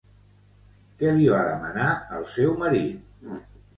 Què li va demanar al seu marit?